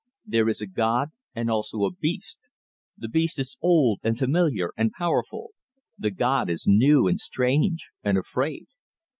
"There is a god, and also a beast. The beast is old, and familiar, and powerful; the god is new, and strange, and afraid.